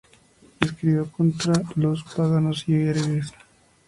Escribió contra los paganos y herejes.